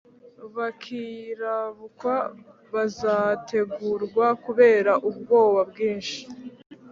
Bakiyirabukwa bazatengurwa kubera ubwoba bwinshi,